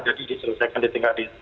jadi diselesaikan di tingkat desa